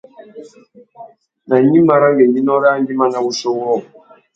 Nà gnima râ ngüéngüinô râā nguimá na wuchiô wôō ?